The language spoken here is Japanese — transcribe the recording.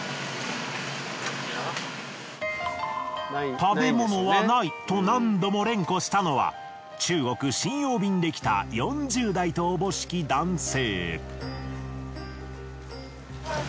食べ物はないと何度も連呼したのは中国瀋陽便で来た４０代とおぼしき男性。